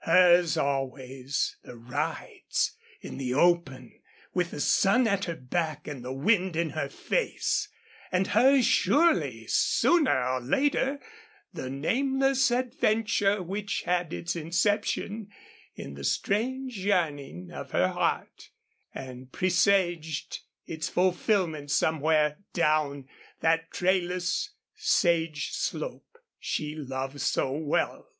Hers always the rides in the open, with the sun at her back and the wind in her face! And hers surely, sooner or later, the nameless adventure which had its inception in the strange yearning of her heart and presaged its fulfilment somewhere down that trailless sage slope she loved so well!